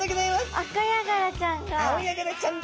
アカヤガラちゃんが。